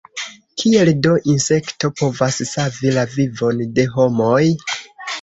Kiel do insekto povas savi la vivon de homoj?